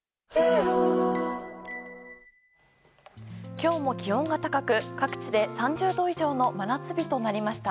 今日も気温が高く各地で３０度以上の真夏日となりました。